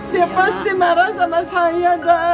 dia pasti marah sama saya